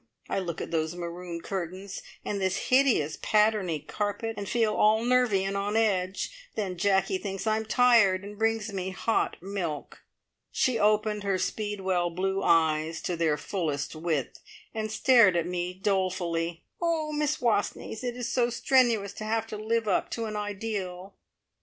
I look at those maroon curtains, and this hideous patterny carpet, and feel all nervy and on edge; then Jacky thinks I am tired, and brings me hot milk." She opened her speedwell blue eyes to their fullest width, and stared at me dolefully. "Oh, Miss Wastneys, it is so strenuous to have to live up to an ideal!"